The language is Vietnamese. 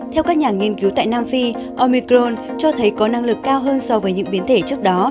theo các nhà nghiên cứu tại nam phi omicron cho thấy có năng lực cao hơn so với những biến thể trước đó